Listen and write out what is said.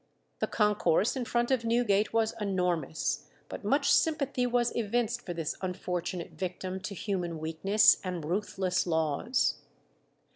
The concourse in front of Newgate was enormous, but much sympathy was evinced for this unfortunate victim to human weakness and ruthless laws.